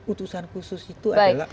utusan khusus itu adalah